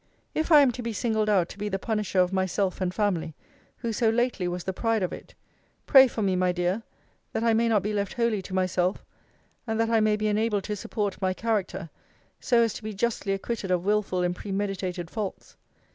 If I am to be singled out to be the punisher of myself and family, who so lately was the pride of it, pray for me, my dear, that I may not be left wholly to myself; and that I may be enabled to support my character, so as to be justly acquitted of wilful and premeditated faults.